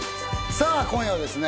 さあ今夜はですね